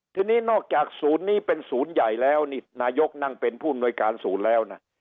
ทีนี้นอกจากศูนย์นี้เป็นศูนย์ใหญ่แล้วนี่นายกนั่งเป็นผู้อำนวยการศูนย์แล้วนะ